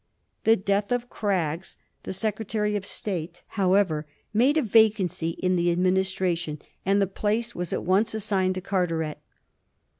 The death of Craggs, the Secretary of State, however, made a vacancy in the administra tion, and the place was at once assigned to Carteret.